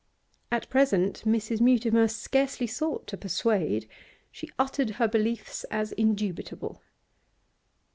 At present Mrs. Mutimer scarcely sought to persuade; she uttered her beliefs as indubitable.